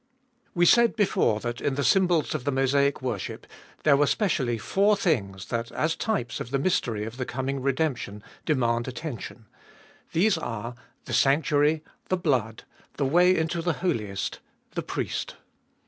WE said before that in the symbols of the Mosaic worship there were specially four things that, as types of the mystery of the coming redemption, demand attention. These are — the Sanctuary, tJie Blood, the Way into the Holiest, the Priest.